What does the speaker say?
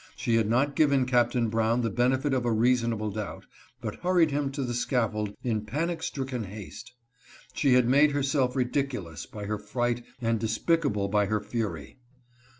She had not given Captain Brown the benefit of a reasonable doubt, but hurried him to the scaffold in panic stricken haste. She had made herself ridiculous by her fright and despicable by her fury.